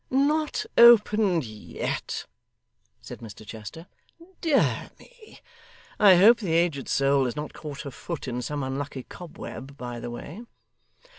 'Not opened yet,' said Mr Chester. 'Dear me! I hope the aged soul has not caught her foot in some unlucky cobweb by the way.